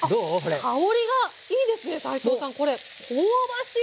香りがいいですね斉藤さんこれ香ばしい！